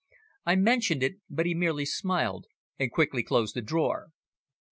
I mentioned it, but he merely smiled and quickly closed the drawer.